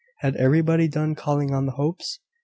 Had everybody done calling on the Hopes?